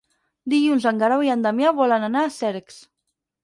Dilluns en Guerau i en Damià volen anar a Cercs.